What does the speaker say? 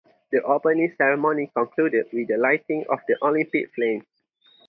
The opening ceremony concluded with the lighting of the Olympic Flame.